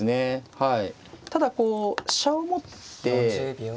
はい。